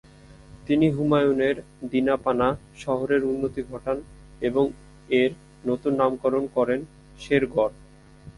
তিনি হুমায়ুনের "দিনা-পানাহ" শহরের উন্নতি ঘটান এবং এর নতুন নামকরণ করেন শেরগড়।